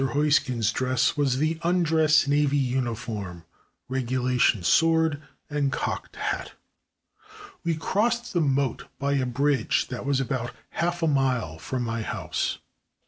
Heusken's dress was the undress navy uniform, regulation sword and cocked hat. We crossed the moat by a bridge that was about half a mile from my house.